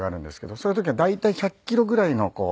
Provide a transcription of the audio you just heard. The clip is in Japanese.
そういう時は大体１００キロぐらいのこう。